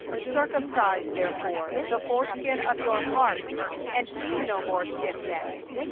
16Circumcise therefore the foreskin of your heart, and be no more stiffnecked.